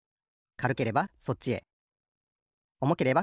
かるければそっち。